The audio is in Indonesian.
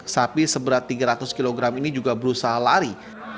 sapi seberat tiga ratus kg ini juga berusaha lari